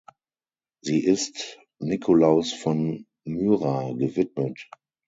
Sie ist Nikolaus von Myra gewidmet.